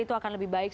itu akan lebih baik